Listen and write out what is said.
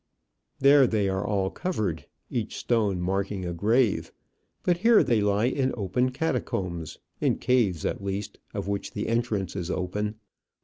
There they are all covered, each stone marking a grave; but here they lie in open catacombs in caves, at least, of which the entrance is open.